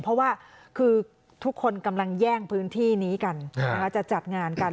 เพราะว่าคือทุกคนกำลังแย่งพื้นที่นี้กันจะจัดงานกัน